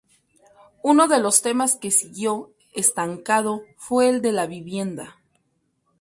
Uno de los temas que siguió estancado fue el de la vivienda.